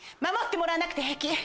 守ってもらわなくて平気！